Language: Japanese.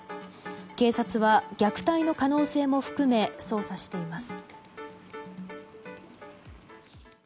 警察は虐待の可能性も含め捜査しています。